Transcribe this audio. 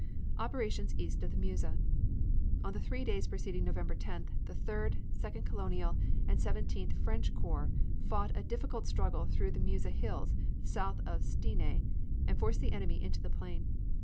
OPERATIONS EAST OF THE MEUSE On the three days preceding November 10th, the Third, the Second Colonial, and the Seventeenth French corps fought a difficult struggle through the Meuse Hills south of Stenay and forced the enemy into the plain.